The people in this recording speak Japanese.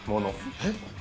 えっ？